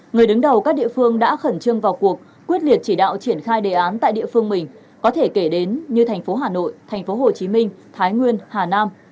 người đứng đầu các địa phương đã khẩn trương vào cuộc quyết liệt chỉ đạo triển khai đề án tại địa phương mình có thể kể đến như thành phố hà nội thành phố hồ chí minh thái nguyên hà nam